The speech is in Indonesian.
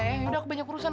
yaudah aku banyak urusan